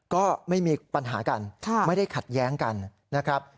ก็ไม่มีปัญหากันไม่ได้ขัดแย้งกันนะครับ